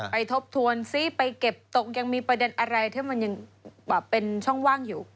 ทบทวนซิไปเก็บตกยังมีประเด็นอะไรที่มันยังเป็นช่องว่างอยู่